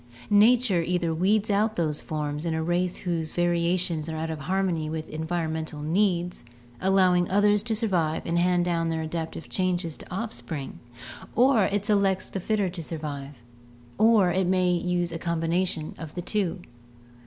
Nature either weeds out those forms in a race whose variations are out of harmony with environmental needs, allowing the others to survive and hand down their adaptive changes to offspring, or it selects the fitter to survive, or it may use a combination of the two.